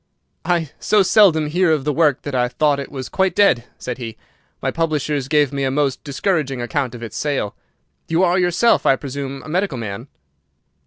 "I so seldom hear of the work that I thought it was quite dead," said he. "My publishers gave me a most discouraging account of its sale. You are yourself, I presume, a medical man?"